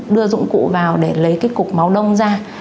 đưa dụng cụ vào để lấy cái cục máu đông ra